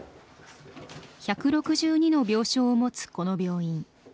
１６２の病床を持つこの病院。